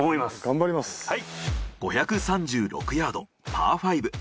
５３６ヤードパー５。